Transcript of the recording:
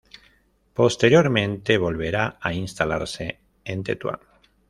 Posteriormente, volverá a instalarse en Tetuán.